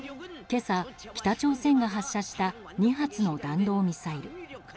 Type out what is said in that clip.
今朝、北朝鮮が発射した２発の弾道ミサイル。